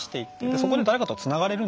そこで誰かとつながれるんですよね。